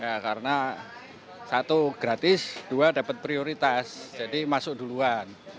ya karena satu gratis dua dapat prioritas jadi masuk duluan